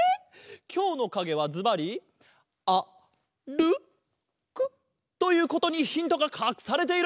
きょうのかげはずばり「あるく」ということにヒントがかくされている！